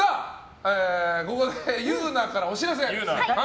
ここで祐奈からお知らせ！